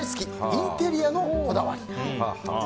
インテリアのこだわり。